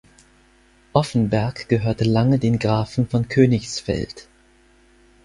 Offenberg gehörte lange den Grafen von Königsfeld.